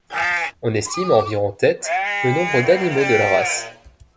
On estime à environ têtes le nombre d'animaux de la race.